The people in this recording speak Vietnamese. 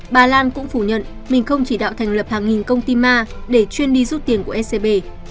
bà lan cũng phủ nhận mình không chỉ đạo thành lập hàng nghìn công ty ma để chuyên đi rút tiền của scb